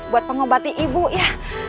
buat pengobati ibu ya